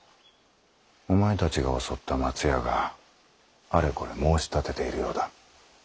お前たちが襲った松屋があれこれ申し立てているようだ。